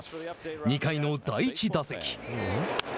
２回の第１打席。